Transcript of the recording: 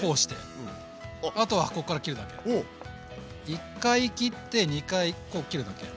１回切って２回こう切るだけ。